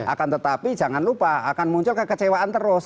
akan tetapi jangan lupa akan muncul kekecewaan terus